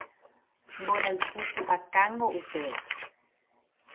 Mborayhu pu'akángo upéva